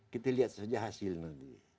kita lihat saja hasilnya